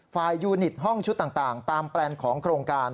ยูนิตห้องชุดต่างตามแปลนของโครงการ